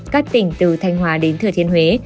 các tỉnh từ thanh hóa đến thừa thiên huế